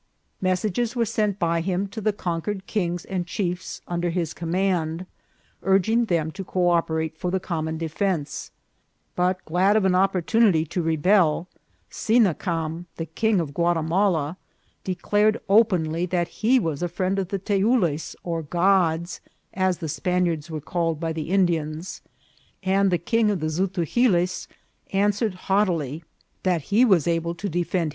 Messages were sent by him to the conquered kings and chiefs under his command, urging them to co operate for the common defence ; but, glad of an opportunity to rebel, Sinacam, the king of Guatimala, declared openly that he was a friend to the Teules or Gods, as the Spaniards were called by the Indians ; and the King of the Zutu giles answered haughtily that he was able to defend 176 INCIDENTS OF TRAVEL.